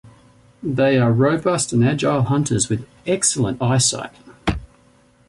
They are robust and agile hunters with excellent eyesight.